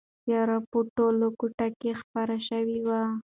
تیاره په ټوله کوټه کې خپره شوې وه.